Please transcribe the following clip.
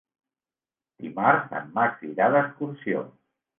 Dimarts en Max irà d'excursió.